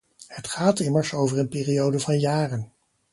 Het gaat immers over een periode van jaren.